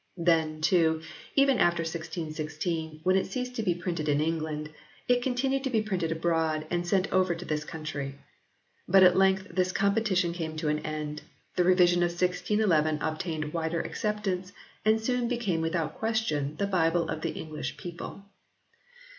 Then, too, even after 1616, when it ceased to be printed in England, it continued to be printed abroad and sent over to this country. But at length this competition came to an end, the Revision of 1611 obtained wider accept ance and soon became without question the Bible of the English people.